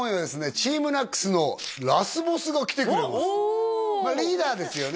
ＴＥＡＭＮＡＣＳのラスボスが来てくれますまあリーダーですよね